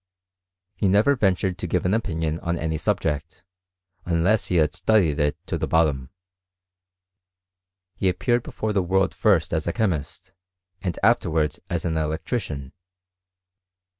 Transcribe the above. He never ventured to give an opinion on any subject, unless he had studied it to the bottom. He appeared before the world first as a chemist, and afterwards as an electrician.